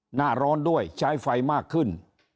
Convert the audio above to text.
หน้าร้อนด้วยใช้ไฟมากขึ้น